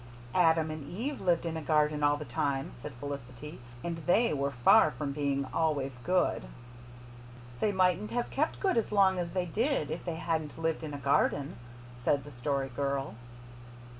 "Adam and Eve lived in a garden all the time," said Felicity, "and THEY were far from being always good." "They mightn't have kept good as long as they did if they hadn't lived in a garden," said the Story Girl.